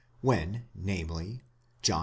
When, namely (John x.